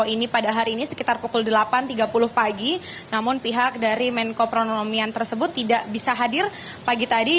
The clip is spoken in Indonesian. ini pada hari ini sekitar pukul delapan tiga puluh pagi namun pihak dari menko perekonomian tersebut tidak bisa hadir pagi tadi